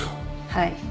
はい。